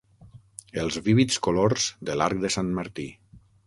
Els vívids colors de l'arc de Sant Martí.